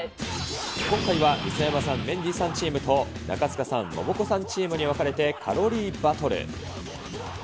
今回は磯山さん、メンディーさんチームと、中務さん、モモコさんチームに分かれてカロリーバトル。